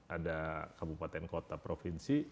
ada kabupaten kota provinsi